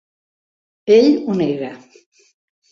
Ell ho nega.